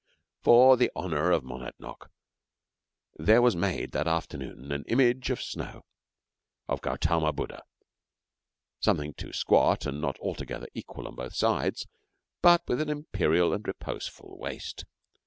For the honour of Monadnock there was made that afternoon an image of snow of Gautama Buddha, something too squat and not altogether equal on both sides, but with an imperial and reposeful waist.